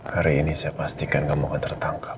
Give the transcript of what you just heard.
hari ini saya pastikan kamu akan tertangkap